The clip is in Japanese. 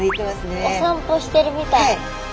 お散歩してるみたい。